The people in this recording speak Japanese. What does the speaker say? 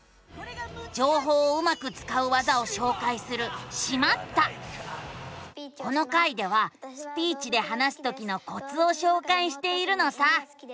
じょうほうをうまくつかう技をしょうかいするこの回ではスピーチで話すときのコツをしょうかいしているのさ。